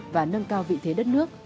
và nâng cao vị thế đất nước